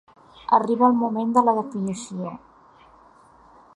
Arriba el moment de la definició.